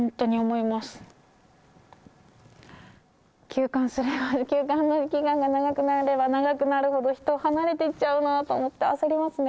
休館すれば休館の期間が長くなれば長くなるほど人が離れていっちゃうなと思って焦りますね